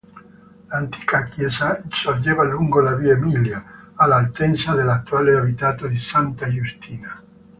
L'antica chiesa sorgeva lungo la via Emilia, all'altezza dell'attuale abitato di Santa Giustina.